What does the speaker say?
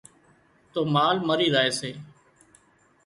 تو مال مرِي زائي سي